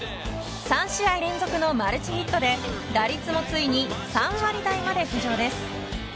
３試合連続のマルチヒットで打率もついに３割台まで浮上です。